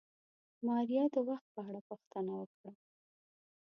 ماريا د وخت په اړه پوښتنه وکړه.